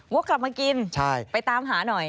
กลับมากินไปตามหาหน่อย